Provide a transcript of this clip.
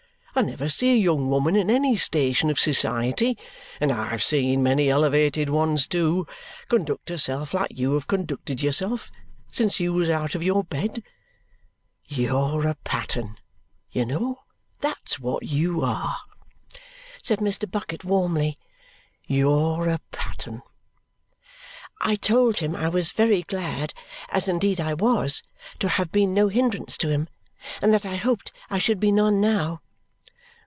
I never see a young woman in any station of society and I've seen many elevated ones too conduct herself like you have conducted yourself since you was called out of your bed. You're a pattern, you know, that's what you are," said Mr. Bucket warmly; "you're a pattern." I told him I was very glad, as indeed I was, to have been no hindrance to him, and that I hoped I should be none now.